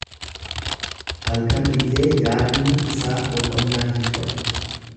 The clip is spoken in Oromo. halkan illee yaadni isaa boqonnaa hin qabu;